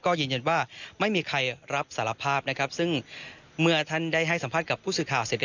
ก็ยืนยันว่าไม่มีใครรับสารภาพนะครับซึ่งเมื่อท่านได้ให้สัมภาษณ์กับผู้สื่อข่าวเสร็จ